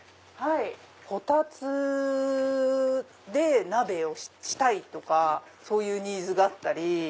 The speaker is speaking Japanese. コタツで鍋をしたいとかそういうニーズがあったり。